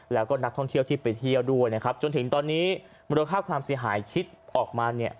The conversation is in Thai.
แล้วก็นักท่องเที่ยวที่ไปเที่ยวด้วยนะครับจนถึงตอนนี้มูลค่าความเสียหายคิดออกมาเนี่ย